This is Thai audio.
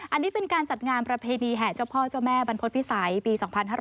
อันนี้เป็นการจัดงานประเพณีแห่เจ้าพ่อเจ้าแม่บรรพฤษภิษัยปี๒๕๕๙